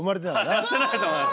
やってなかったと思います。